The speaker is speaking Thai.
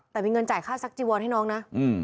แต่มีเงินจ่ายค่าซักจีวอนให้น้องนะ